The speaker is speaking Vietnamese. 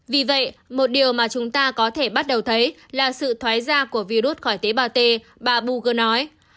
vì vậy một điều mà chúng ta có thể bắt đầu thấy là sự thoái ra của virus khỏi tế bào t bà buger nói